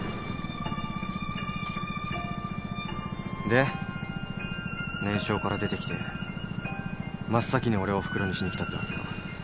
・でネンショーから出てきて真っ先に俺をフクロにしにきたってわけか。